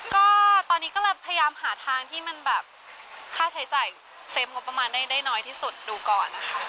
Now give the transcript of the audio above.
ก็ตอนนี้ก็เลยพยายามหาทางที่มันแบบค่าใช้จ่ายเซฟงบประมาณได้น้อยที่สุดดูก่อนนะคะ